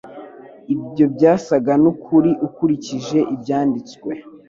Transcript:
Ibyo byasaga n'ukuri ukurikije ibyanditswe